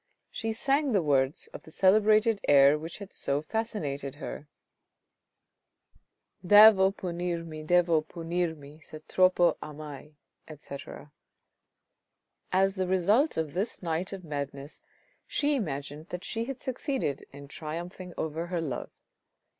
She sang the words of the celebrated air which had so fascinated her :— Devo punirmi, devo punirmi. Se troppo amai, etc. As the result of this night of madness, she imagined that she had succeeded in triumphing over her love.